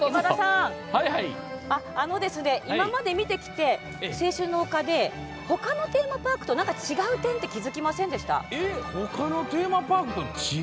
今まで見てきて、青春の丘で他のテーマパークと何か違う点って気付きませんでした？